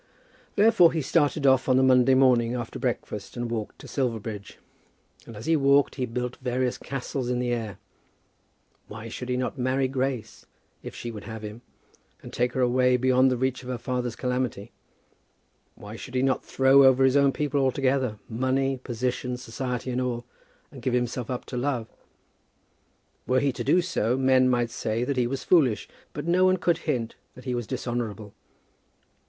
Therefore he started off on the Monday morning after breakfast and walked to Silverbridge, and as he walked he built various castles in the air. Why should he not marry Grace, if she would have him, and take her away beyond the reach of her father's calamity? Why should he not throw over his own people altogether, money, position, society, and all, and give himself up to love? Were he to do so, men might say that he was foolish, but no one could hint that he was dishonourable.